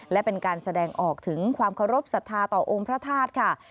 และเป็นการแสดงออกถึงความเคารพสัทธาต่อองค์พระธาตุค่ะ